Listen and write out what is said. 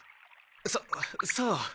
そそう。